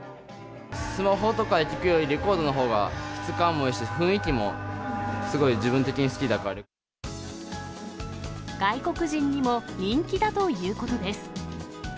スマホとかで聴くより、レコードのほうが質感もいいし、雰囲気もすごい自分的に好きだか外国人にも人気だということです。